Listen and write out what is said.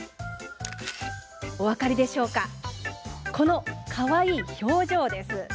お分かりでしょうかそう、このかわいい表情。